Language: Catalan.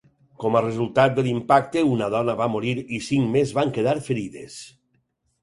Com a resultat de l'impacte, una dona va morir i cinc més van quedar ferides.